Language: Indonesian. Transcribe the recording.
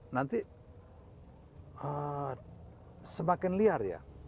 nanti semakin liar ya